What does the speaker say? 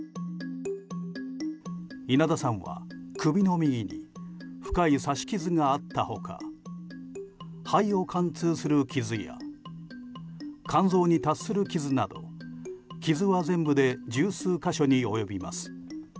稲田さんは、首の右に深い刺し傷があった他肺を貫通する傷や肝臓に達する傷など傷は全部で十数か所に及びます。